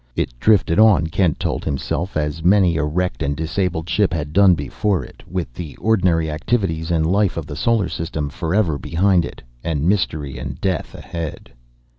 It drifted on, Kent told himself, as many a wrecked and disabled ship had done before it, with the ordinary activities and life of the solar system forever behind it, and mystery and death ahead.